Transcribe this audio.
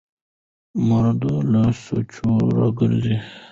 مراد له سوچونو راوګرځېد.